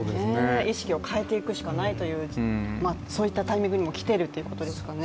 意識を変えていくしかないというそういったタイミングにも来ているということですかね。